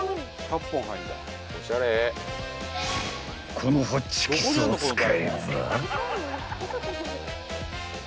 ［このホチキスを使えば］